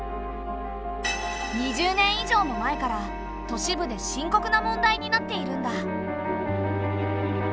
２０年以上も前から都市部で深刻な問題になっているんだ。